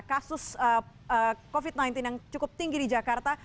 kasus covid sembilan belas yang cukup tinggi di jakarta